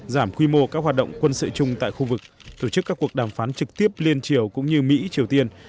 giảm quy mô các hoạt động quân sự chung tại khu vực tổ chức các cuộc đàm phán trực tiếp liên triều cũng như mỹ triều tiên